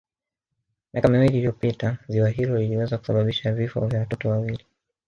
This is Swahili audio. Miaka miwili iliyopita ziwa hilo liliweza kusababisha vifo vya watoto wawili